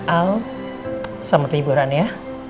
al selamat liburan ya